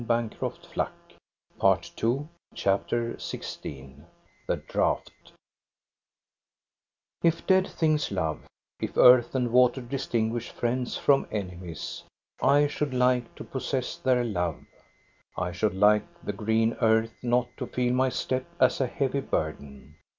374 THE STORY OF GOSTA BERLING CHAPTER XVI THE DROUGHT If dead things love, if earth and water distinguish friends from enemies, I should like to possess their love. I should like the green earth not to feel my step as a heavy burden.